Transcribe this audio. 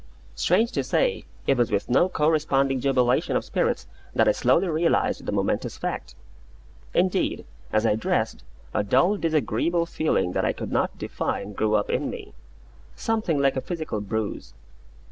Strange to say, it was with no corresponding jubilation of spirits that I slowly realised the momentous fact. Indeed, as I dressed, a dull disagreeable feeling that I could not define grew within me something like a physical bruise.